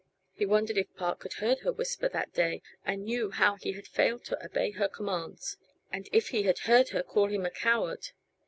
He wondered if Park had heard her whisper, that day, and knew how he had failed to obey her commands; and if he had heard her call him a coward.